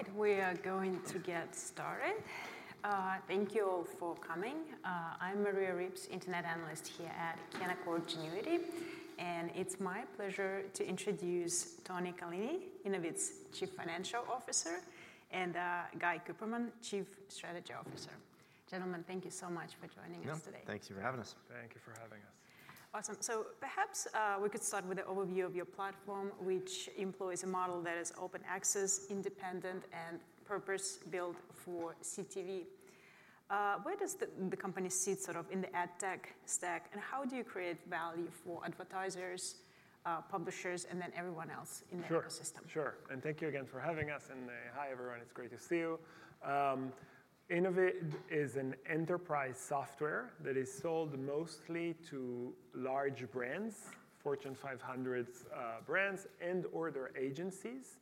All right, we are going to get started. Thank you all for coming. I'm Maria Ripps, internet analyst here at Canaccord Genuity, and it's my pleasure to introduce Tony Callini, Innovid's Chief Financial Officer, and Guy Kuperman, Chief Strategy Officer. Gentlemen, thank you so much for joining us today. Yeah. Thank you for having us. Thank you for having us. Awesome. So perhaps, we could start with an overview of your platform, which employs a model that is open access, independent, and purpose-built for CTV. Where does the company sit sort of in the ad tech stack, and how do you create value for advertisers, publishers, and then everyone else in the ecosystem? Sure, sure. And thank you again for having us, and hi, everyone, it's great to see you. Innovid is an enterprise software that is sold mostly to large brands, Fortune 500s, brands and/or their agencies,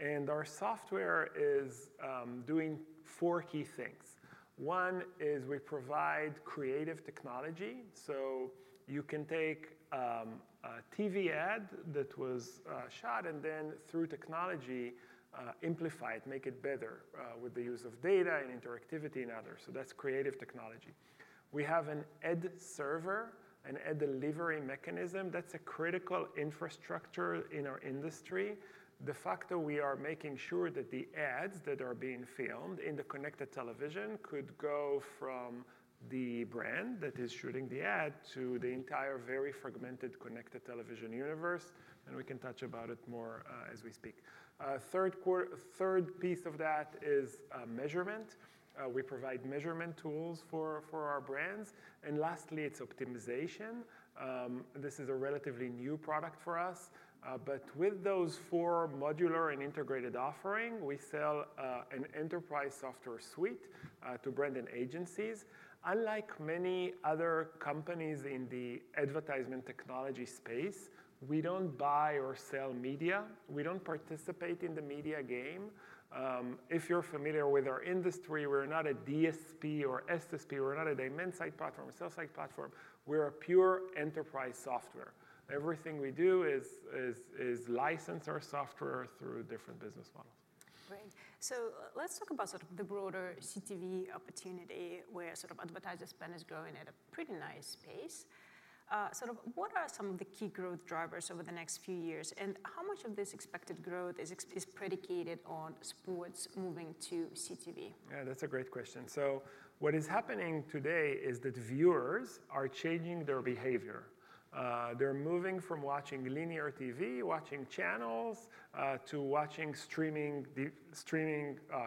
and our software is doing four key things. One is we provide creative technology, so you can take a TV ad that was shot, and then through technology amplify it, make it better with the use of data and interactivity and others. So that's creative technology. We have an ad server, an ad delivery mechanism that's a critical infrastructure in our industry. The fact that we are making sure that the ads that are being filmed in the connected television could go from the brand that is shooting the ad to the entire very fragmented, connected television universe, and we can touch about it more, as we speak. Third piece of that is measurement. We provide measurement tools for our brands. And lastly, it's optimization. This is a relatively new product for us, but with those four modular and integrated offering, we sell an enterprise software suite to brand and agencies. Unlike many other companies in the advertisement technology space, we don't buy or sell media. We don't participate in the media game. If you're familiar with our industry, we're not a DSP or SSP, we're not a demand-side platform, a sell-side platform, we're a pure enterprise software. Everything we do is license our software through different business models. Great. So let's talk about sort of the broader CTV opportunity, where sort of advertiser spend is growing at a pretty nice pace. What are some of the key growth drivers over the next few years, and how much of this expected growth is predicated on sports moving to CTV? Yeah, that's a great question. So what is happening today is that viewers are changing their behavior. They're moving from watching linear TV, watching channels, to watching streaming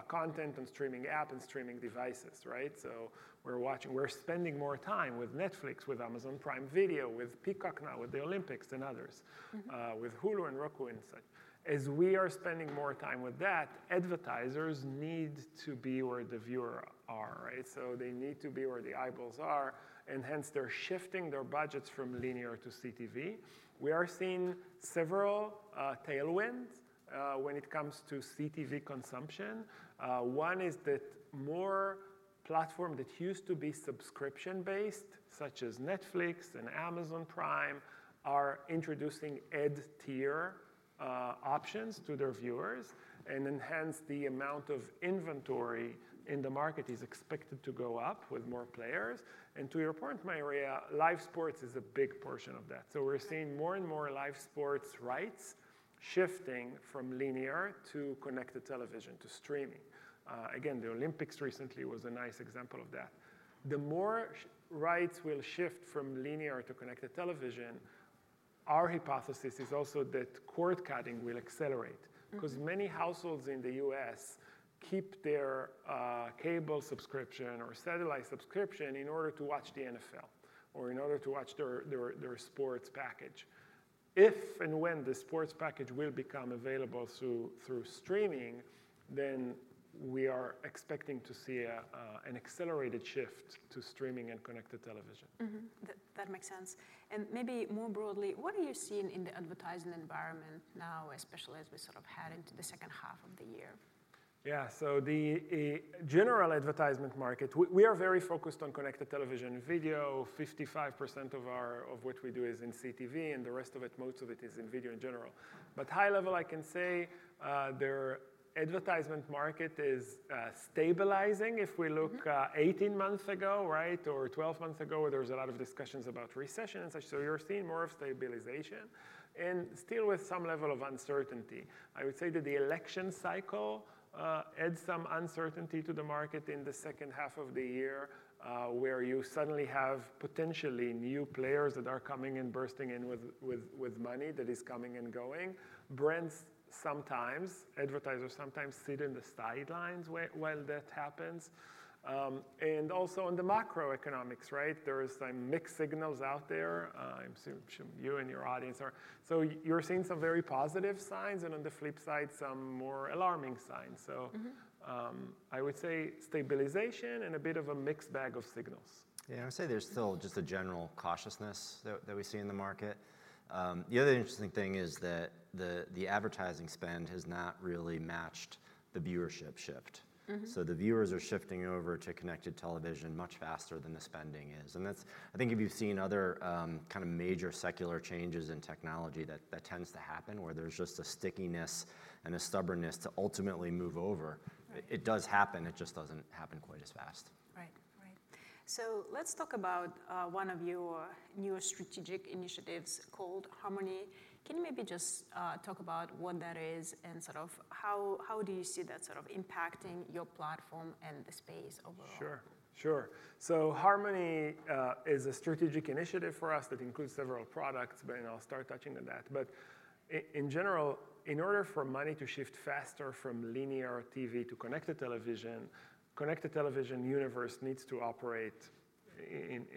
content and streaming apps and streaming devices, right? So we're spending more time with Netflix, with Amazon Prime Video, with Peacock now, with the Olympics and others, with Hulu and Roku and such. As we are spending more time with that, advertisers need to be where the viewers are, right? So they need to be where the eyeballs are, and hence they're shifting their budgets from linear to CTV. We are seeing several tailwinds when it comes to CTV consumption. One is that more platforms that used to be subscription-based, such as Netflix and Amazon Prime, are introducing ad tier options to their viewers, and hence, the amount of inventory in the market is expected to go up with more players. And to your point, Maria, live sports is a big portion of that. So we're seeing more and more live sports rights shifting from linear to connected television, to streaming. Again, the Olympics recently was a nice example of that. The more sports rights will shift from linear to connected television, our hypothesis is also that cord cutting will accelerate because many households in the U.S. keep their cable subscription or satellite subscription in order to watch the NFL or in order to watch their sports package. If and when the sports package will become available through streaming, then we are expecting to see an accelerated shift to streaming and connected television. That, that makes sense. And maybe more broadly, what are you seeing in the advertising environment now, especially as we sort of head into the second half of the year? Yeah. So the general advertising market. We are very focused on connected television video; 55% of what we do is in CTV, and the rest of it, most of it, is in video in general. But high level, I can say their advertising market is stabilizing. If we look 18 months ago, right? Or 12 months ago, there was a lot of discussions about recession and such, so you're seeing more of stabilization and still with some level of uncertainty. I would say that the election cycle adds some uncertainty to the market in the second half of the year, where you suddenly have potentially new players that are coming in, bursting in with money that is coming and going. Brands sometimes, advertisers sometimes sit in the sidelines while that happens. And also in the macroeconomics, right? There is some mixed signals out there, I'm sure you and your audience are—so you're seeing some very positive signs, and on the flip side, some more alarming signs. So I would say stabilization and a bit of a mixed bag of signals. Yeah, I'd say there's still just a general cautiousness that, that we see in the market. The other interesting thing is that the advertising spend has not really matched the viewership shift. Mm-hmm. So the viewers are shifting over to connected television much faster than the spending is, and that's. I think if you've seen other kind of major secular changes in technology, that tends to happen, where there's just a stickiness and a stubbornness to ultimately move over. Right. It does happen, it just doesn't happen quite as fast. Right. So let's talk about one of your newer strategic initiatives called Harmony. Can you maybe just talk about what that is and sort of how do you see that sort of impacting your platform and the space overall? Sure, sure. So Harmony is a strategic initiative for us that includes several products, but, you know, I'll start touching on that. But in general, in order for money to shift faster from linear TV to connected television, connected television universe needs to operate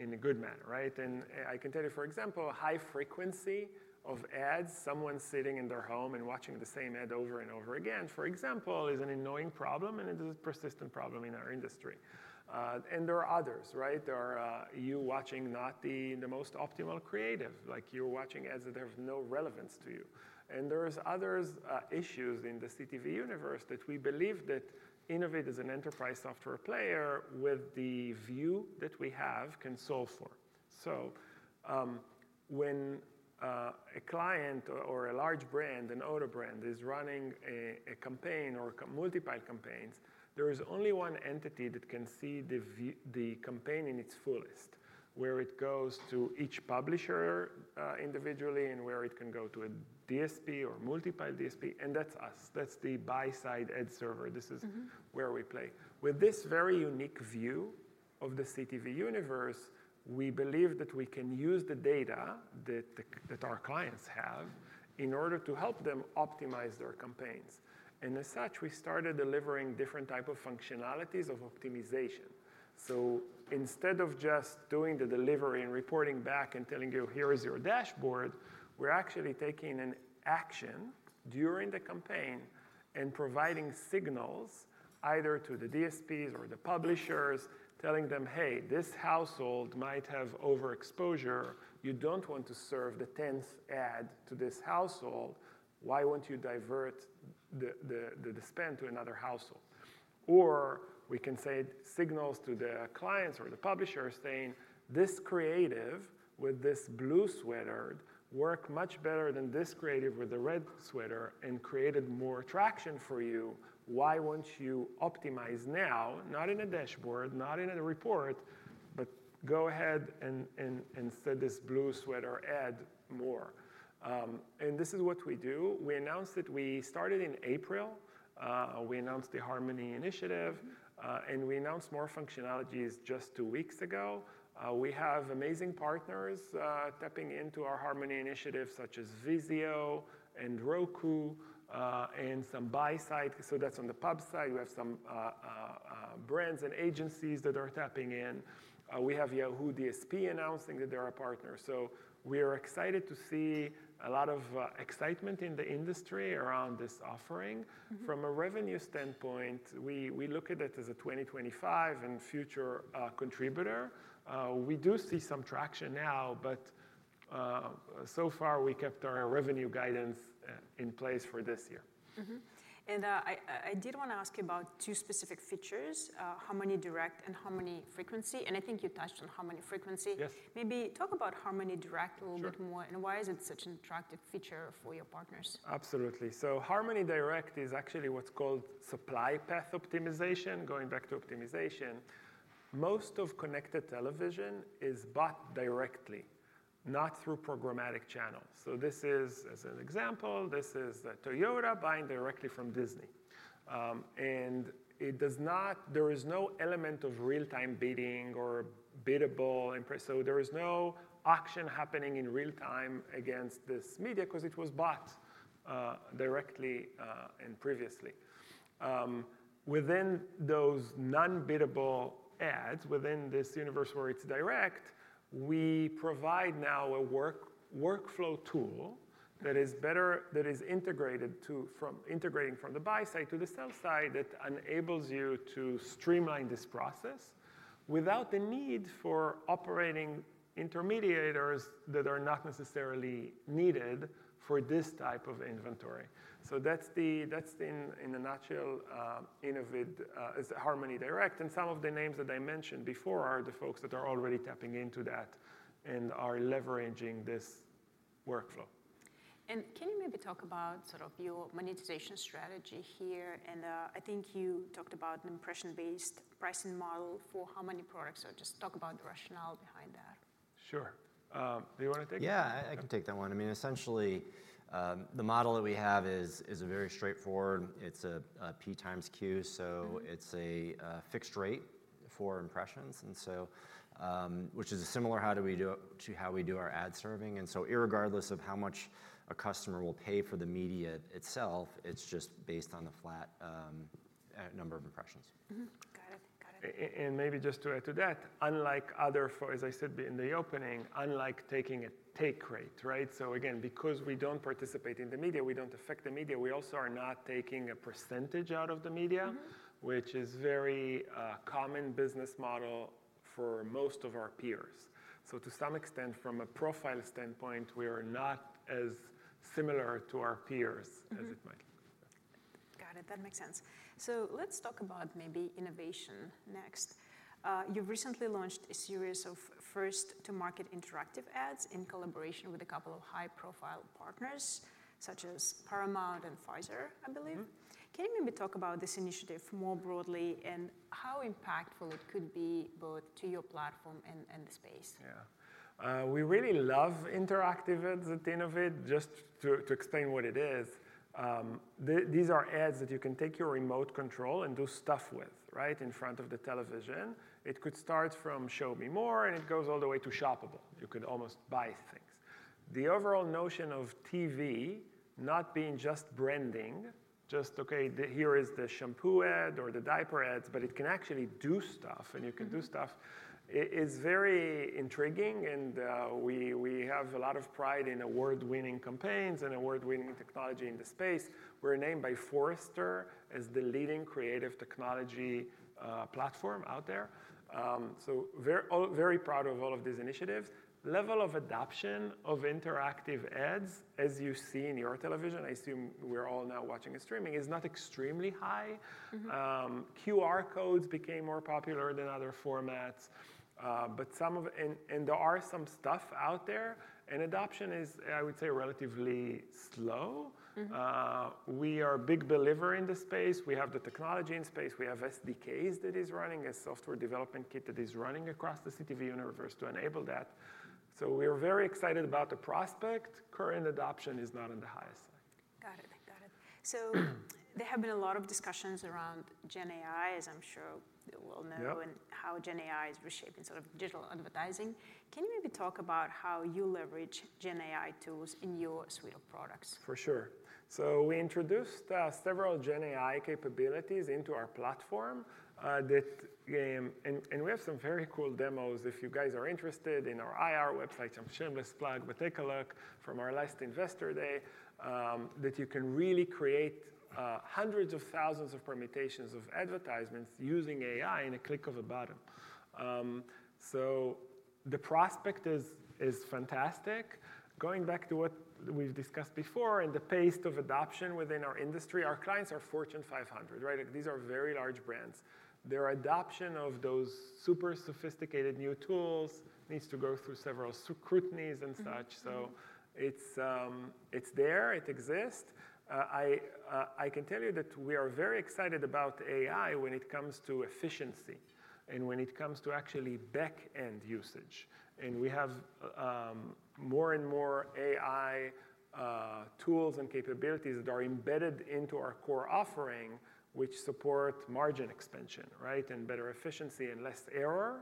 in a good manner, right? And I can tell you, for example, high frequency of ads, someone sitting in their home and watching the same ad over and over again, for example, is an annoying problem, and it is a persistent problem in our industry. And there are others, right? There are, you watching not the most optimal creative, like you're watching ads that have no relevance to you. And there is others issues in the CTV universe that we believe that Innovid as an enterprise software player with the view that we have can solve for. So, when a client or a large brand, an auto brand, is running a campaign or multiple campaigns, there is only one entity that can see the campaign in its fullest, where it goes to each publisher individually, and where it can go to a DSP or multiple DSP, and that's us. That's the buy-side ad server. Mm-hmm. This is where we play. With this very unique view of the CTV universe, we believe that we can use the data that our clients have, in order to help them optimize their campaigns. And as such, we started delivering different type of functionalities of optimization. So instead of just doing the delivery and reporting back and telling you: "Here is your dashboard," we're actually taking an action during the campaign and providing signals either to the DSPs or the publishers, telling them: "Hey, this household might have overexposure. You don't want to serve the tenth ad to this household. Why won't you divert the spend to another household?" Or we can send signals to the clients or the publishers saying: "This creative with this blue sweater work much better than this creative with the red sweater and created more traction for you. Why won't you optimize now, not in a dashboard, not in a report, but go ahead and send this blue sweater ad more?" And this is what we do. We announced that we started in April. We announced the Harmony initiative, and we announced more functionalities just two weeks ago. We have amazing partners tapping into our Harmony initiatives, such as VIZIO and Roku, and some buy side. So that's on the pub side. We have some brands and agencies that are tapping in. We have Yahoo DSP announcing that they're our partner. So we are excited to see a lot of excitement in the industry around this offering. Mm-hmm. From a revenue standpoint, we look at it as a 2025 and future contributor. We do see some traction now, but so far, we kept our revenue guidance in place for this year. And, I, I did wanna ask you about two specific features, Harmony Direct and Harmony Frequency, and I think you touched on Harmony Frequency. Yes. Maybe talk about Harmony Direct- Sure. A little bit more, and why is it such an attractive feature for your partners? Absolutely. So Harmony Direct is actually what's called supply path optimization, going back to optimization. Most of connected television is bought directly, not through programmatic channels. So this is, as an example, this is Toyota buying directly from Disney. And it does not—there is no element of real-time bidding or biddable impression, so there is no auction happening in real time against this media, because it was bought directly and previously. Within those non-biddable ads, within this universe where it's direct, we provide now a workflow tool that is better—that is integrated from the buy side to the sell side, that enables you to streamline this process without the need for operating intermediators that are not necessarily needed for this type of inventory. So that's Innovid's Harmony Direct in a nutshell, and some of the names that I mentioned before are the folks that are already tapping into that and are leveraging this workflow. Can you maybe talk about sort of your monetization strategy here? I think you talked about an impression-based pricing model for Harmony products, so just talk about the rationale behind that. Sure. Do you wanna take it? Yeah, I can take that one. I mean, essentially, the model that we have is very straightforward. It's a P times Q, so it's a fixed rate for impressions, and so, which is similar to how we do our ad serving. Regardless of how much a customer will pay for the media itself, it's just based on the flat number of impressions. Mm-hmm. Got it, got it. And maybe just to add to that, unlike other, as I said in the opening, unlike taking a take rate, right? So again, because we don't participate in the media, we don't affect the media, we also are not taking a percentage out of the media which is very, common business model for most of our peers. So to some extent, from a profile standpoint, we are not as similar to our peers as it might look. Got it. That makes sense. So let's talk about maybe innovation next. You've recently launched a series of first-to-market interactive ads in collaboration with a couple of high-profile partners, such as Paramount and Pfizer, I believe. Can you maybe talk about this initiative more broadly, and how impactful it could be both to your platform and, and the space? Yeah. We really love interactive ads at Innovid. Just to explain what it is, these are ads that you can take your remote control and do stuff with, right? In front of the television. It could start from show me more, and it goes all the way to shoppable. You could almost buy things. The overall notion of TV not being just branding, just, okay, here is the shampoo ad or the diaper ads, but it can actually do stuff, and you can do stuff, it's very intriguing, and we have a lot of pride in award-winning campaigns and award-winning technology in the space. We're named by Forrester as the leading creative technology platform out there. So very proud of all of these initiatives. Level of adoption of interactive ads, as you see in your television, I assume we're all now watching and streaming, is not extremely high. Mm-hmm.QR codes became more popular than other formats, but some of—and there are some stuff out there, and adoption is, I would say, relatively slow. Mm-hmm. We are a big believer in the space. We have the technology in space. We have SDKs that is running, a software development kit that is running across the CTV universe to enable that. So we are very excited about the prospect. Current adoption is not in the highest. Got it. Got it. So there have been a lot of discussions around Gen AI, as I'm sure you well know and how Gen AI is reshaping sort of digital advertising. Can you maybe talk about how you leverage Gen AI tools in your suite of products? For sure. So we introduced several Gen AI capabilities into our platform that. And we have some very cool demos. If you guys are interested in our IR website, some shameless plug, but take a look from our last investor day that you can really create hundreds of thousands of permutations of advertisements using AI in a click of a button. So the prospect is fantastic. Going back to what we've discussed before and the pace of adoption within our industry, our clients are Fortune 500, right? These are very large brands. Their adoption of those super sophisticated new tools needs to go through several scrutinies and such. So it's there, it exists. I can tell you that we are very excited about AI when it comes to efficiency and when it comes to actually back-end usage. And we have more and more AI tools and capabilities that are embedded into our core offering, which support margin expansion, right? And better efficiency and less error.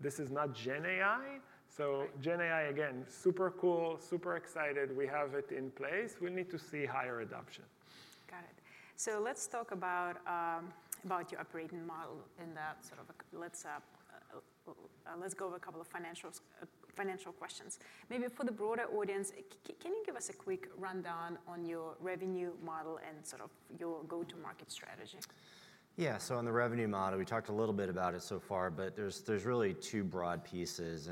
This is not Gen AI. Right. So Gen AI, again, super cool, super excited, we have it in place. We need to see higher adoption. Got it. So let's talk about your operating model in that sort of a—let's go over a couple of financial questions. Maybe for the broader audience, can you give us a quick rundown on your revenue model and sort of your go-to-market strategy? Yeah. So on the revenue model, we talked a little bit about it so far, but there's really two broad pieces.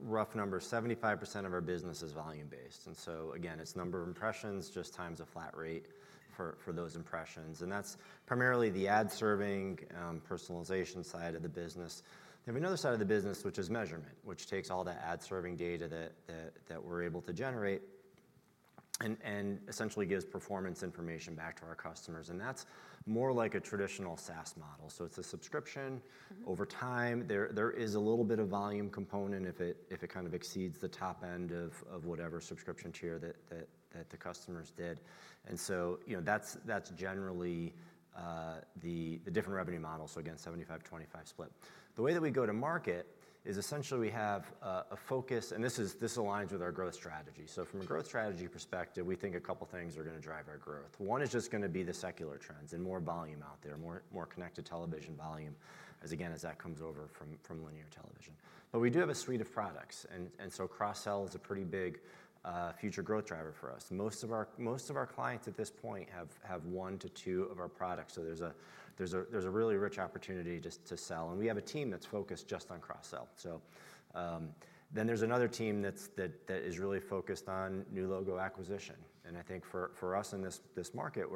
Rough number, 75% of our business is volume-based, and so again, it's number of impressions, just times a flat rate for those impressions. And that's primarily the ad serving, personalization side of the business. Then we have another side of the business, which is measurement, which takes all that ad serving data that we're able to generate, and essentially gives performance information back to our customers, and that's more like a traditional SaaS model. So it's a subscription over time. There is a little bit of volume component if it kind of exceeds the top end of whatever subscription tier that the customers did. And so, you know, that's generally the different revenue models. So again, 75/25 split. The way that we go to market is essentially we have a focus, and this aligns with our growth strategy. So from a growth strategy perspective, we think a couple things are going to drive our growth. One is just going to be the secular trends and more volume out there, more connected television volume, as again, as that comes over from linear television. But we do have a suite of products, and so cross-sell is a pretty big future growth driver for us. Most of our clients at this point have one to two of our products, so there's a really rich opportunity just to sell. And we have a team that's focused just on cross-sell. So then there's another team that is really focused on new logo acquisition. I think for us in this market,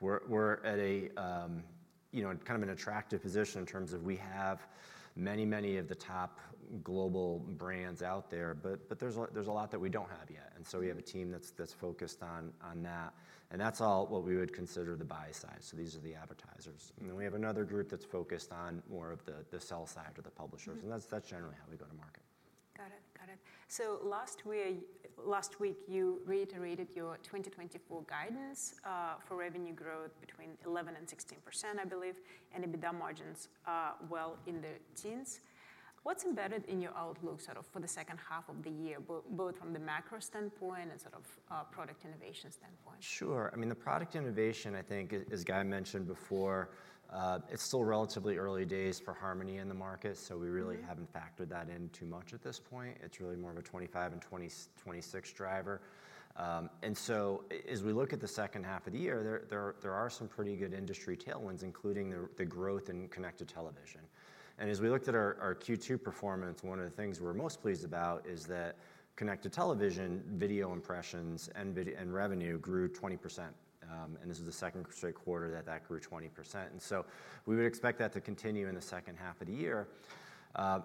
we're at a, you know, kind of an attractive position in terms of we have many, many of the top global brands out there, but there's a lot that we don't have yet, and so we have a team that's focused on that. That's all what we would consider the buy side, so these are the advertisers. Then we have another group that's focused on more of the sell side or the publishers. That's generally how we go to market. Got it. Got it. So last week, last week, you reiterated your 2024 guidance for revenue growth between 11% and 16%, I believe, and EBITDA margins well in the teens. What's embedded in your outlook sort of for the second half of the year, both from the macro standpoint and sort of product innovation standpoint? Sure. I mean, the product innovation, I think, as Guy mentioned before, it's still relatively early days for Harmony in the market, so we really haven't factored that in too much at this point. It's really more of a 2025 and 2026 driver. As we look at the second half of the year, there are some pretty good industry tailwinds, including the growth in connected television. And as we looked at our Q2 performance, one of the things we're most pleased about is that connected television video impressions and revenue grew 20%. And this is the second straight quarter that that grew 20%. And so we would expect that to continue in the second half of the year. There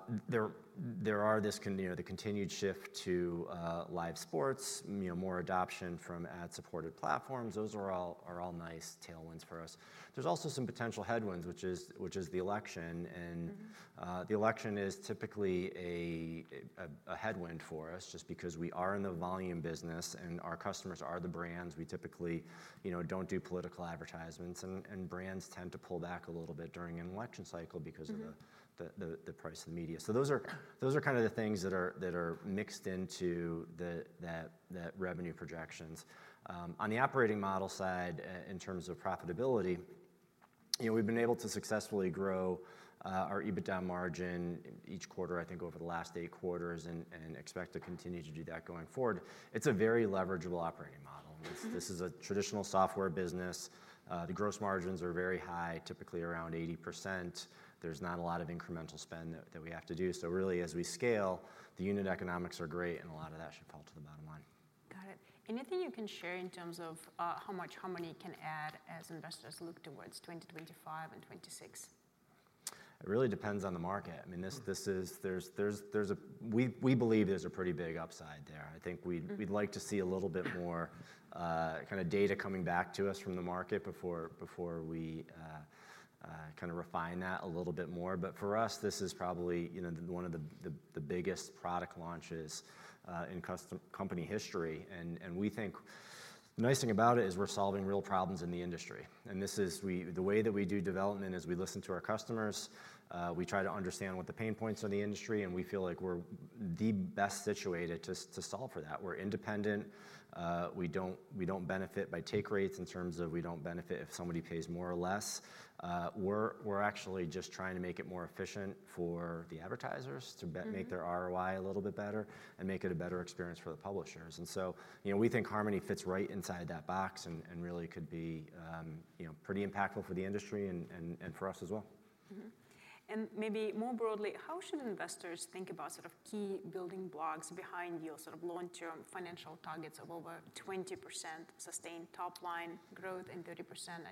are, you know, the continued shift to live sports, you know, more adoption from ad-supported platforms. Those are all nice tailwinds for us. There's also some potential headwinds, which is the election, and— Mm-hmm. The election is typically a headwind for us, just because we are in the volume business, and our customers are the brands. We typically, you know, don't do political advertisements, and brands tend to pull back a little bit during an election cycle because of the price of the media. So those are kind of the things that are mixed into the revenue projections. On the operating model side, in terms of profitability, you know, we've been able to successfully grow our EBITDA margin each quarter, I think, over the last eight quarters, and expect to continue to do that going forward. It's a very leverageable operating model. Mm-hmm. This is a traditional software business. The gross margins are very high, typically around 80%. There's not a lot of incremental spend that we have to do. So really, as we scale, the unit economics are great, and a lot of that should fall to the bottom line. Got it. Anything you can share in terms of how much Harmony can add as investors look towards 2025 and 2026? It really depends on the market. I mean this is. We believe there's a pretty big upside there. I think we—we'd like to see a little bit more, kind of data coming back to us from the market before we kind of refine that a little bit more. But for us, this is probably, you know, one of the biggest product launches in company history. And we think the nice thing about it is we're solving real problems in the industry, and this is the way that we do development is we listen to our customers, we try to understand what the pain points are in the industry, and we feel like we're the best situated to solve for that. We're independent. We don't benefit by take rates in terms of we don't benefit if somebody pays more or less. We're actually just trying to make it more efficient for the advertisers to make their ROI a little bit better and make it a better experience for the publishers. And so, you know, we think Harmony fits right inside that box and really could be, you know, pretty impactful for the industry and for us as well. And maybe more broadly, how should investors think about sort of key building blocks behind your sort of long-term financial targets of over 20% sustained top-line growth and 30%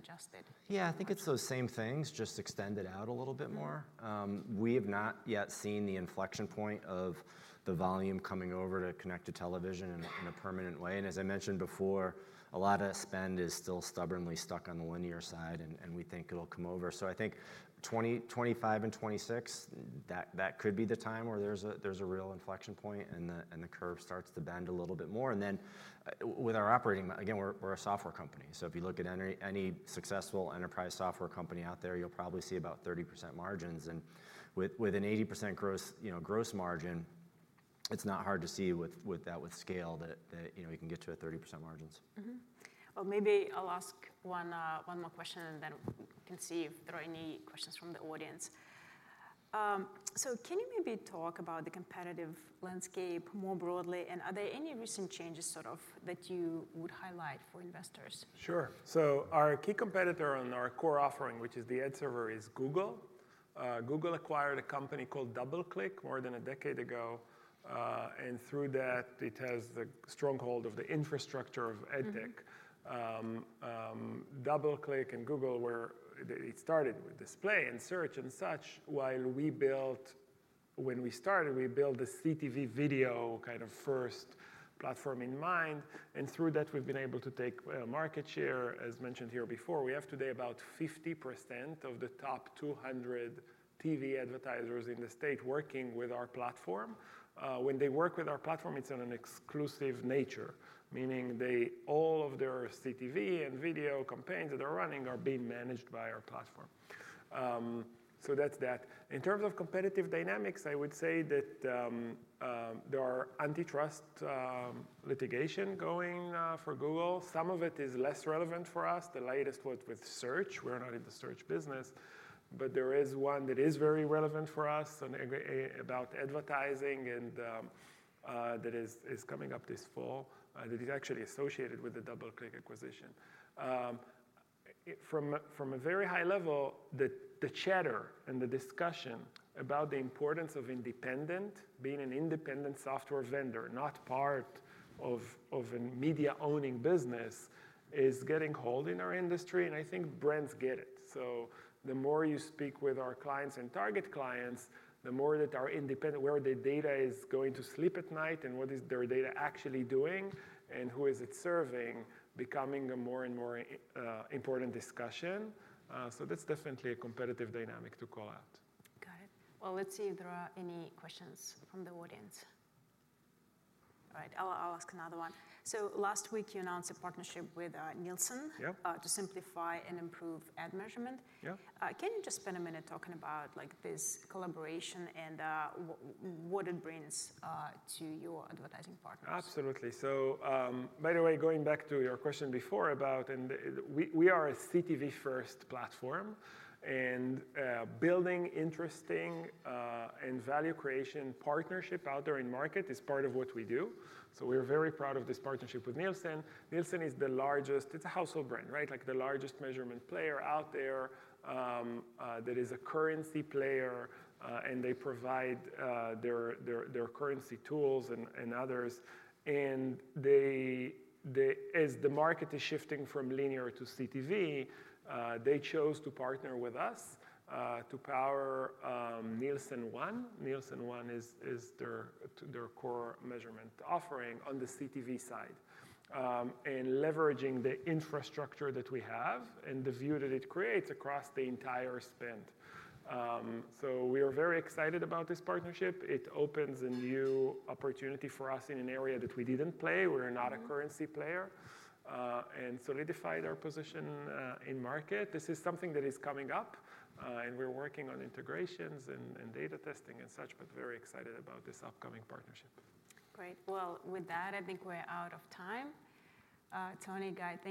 adjusted? Yeah, I think it's those same things, just extended out a little bit more. Yeah. We have not yet seen the inflection point of the volume coming over to connected television in a permanent way. And as I mentioned before, a lot of spend is still stubbornly stuck on the linear side, and we think it'll come over. So I think 2025 and 2026, that could be the time where there's a real inflection point, and the curve starts to bend a little bit more. And then with our operating again, we're a software company, so if you look at any successful enterprise software company out there, you'll probably see about 30% margins. And with an 80% gross, you know, gross margin, it's not hard to see with that, with scale, that you know, you can get to a 30% margins. Well, maybe I'll ask one more question, and then we can see if there are any questions from the audience. So can you maybe talk about the competitive landscape more broadly, and are there any recent changes, sort of, that you would highlight for investors? Sure. So our key competitor on our core offering, which is the ad server, is Google. Google acquired a company called DoubleClick more than a decade ago, and through that, it has the stronghold of the infrastructure of ad tech. DoubleClick and Google were. It started with display and search and such, while, when we started, we built the CTV video kind of first platform in mind, and through that, we've been able to take market share. As mentioned here before, we have today about 50% of the top 200 TV advertisers in the space working with our platform. When they work with our platform, it's on an exclusive nature, meaning they all of their CTV and video campaigns that are running are being managed by our platform. So that's that. In terms of competitive dynamics, I would say that there are antitrust litigation going for Google. Some of it is less relevant for us, the latest with search. We're not in the search business, but there is one that is very relevant for us about advertising, and that is coming up this fall, that is actually associated with the DoubleClick acquisition. From a very high level, the chatter and the discussion about the importance of being an independent software vendor, not part of a media-owning business, is getting hold in our industry, and I think brands get it. So the more you speak with our clients and target clients, the more that our independent, where the data is going to sleep at night and what is their data actually doing and who is it serving, becoming a more and more important discussion. So that's definitely a competitive dynamic to call out. Got it. Well, let's see if there are any questions from the audience. All right, I'll ask another one. So last week, you announced a partnership with Nielsen. Yep. To simplify and improve ad measurement. Yep. Can you just spend a minute talking about, like, this collaboration and what it brings to your advertising partners? Absolutely. So, by the way, going back to your question before, we are a CTV-first platform, and building interesting and value creation partnership out there in market is part of what we do. So we're very proud of this partnership with Nielsen. Nielsen is the largest—it's a household brand, right? Like the largest measurement player out there, that is a currency player, and they provide their currency tools and others. And they as the market is shifting from linear to CTV, they chose to partner with us to power Nielsen ONE. Nielsen ONE is their core measurement offering on the CTV side. And leveraging the infrastructure that we have and the view that it creates across the entire spend. So we are very excited about this partnership. It opens a new opportunity for us in an area that we didn't play. Mm-hmm.We're not a currency player, and solidified our position, in market. This is something that is coming up, and we're working on integrations and data testing and such, but very excited about this upcoming partnership. Great. Well, with that, I think we're out of time. Tony, Guy, thank—